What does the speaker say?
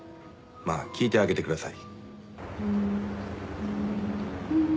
まあ聞いてあげてください。